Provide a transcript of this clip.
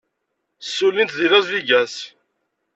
Ssullint deg Las Vegas.